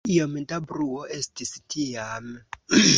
Kiom da bruo estis tiam..